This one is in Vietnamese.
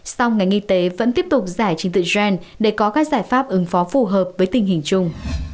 sau ngày nghi tế vẫn tiếp tục giải trình tựa gen để có các giải pháp ứng phó phù hợp với tình hình chung